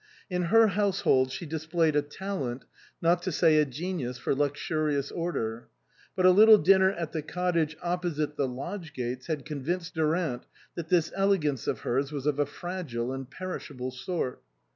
In her household she displayed a talent, not to say a genius, for luxurious order. But a little dinner at the cottage opposite the lodge gates had convinced Durant that this elegance of hers was of a fragile and perishable sort.